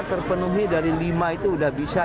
terpenuhi dari lima itu sudah bisa